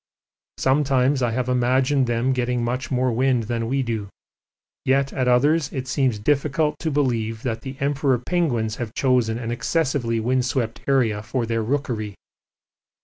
Sometimes I have imagined them getting much more wind than we do, yet at others it seems difficult to believe that the Emperor penguins have chosen an excessively wind swept area for their rookery.